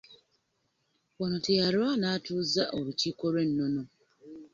Wano teyalwa n'atuuza olukiiko lw'ennono.